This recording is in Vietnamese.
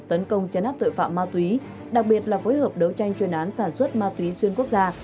tấn công chấn áp tội phạm ma túy đặc biệt là phối hợp đấu tranh chuyên án sản xuất ma túy xuyên quốc gia